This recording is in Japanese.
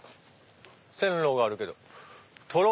線路があるけど。